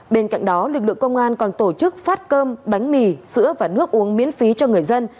bên cạnh đó lực lượng công an còn tổ chức phát cơm bánh mì sữa và nước uống miễn phí cho người dân